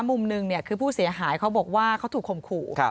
มุมหนึ่งคือผู้เสียหายเขาบอกว่าเขาถูกข่มขู่